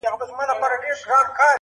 ناړي چي تو سي، بيرته نه اخيستلي کېږي.